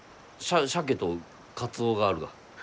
シャケとカツオがあるが。